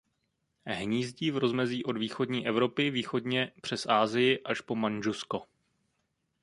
Hnízdí v rozmezí od východní Evropy východně přes Asii až po Mandžusko.